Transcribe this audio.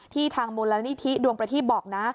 ที่ทางมูลละนิธิดวงประธิบอกนะ